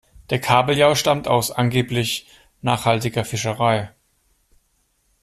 Der Kabeljau stammt aus angeblich nachhaltiger Fischerei.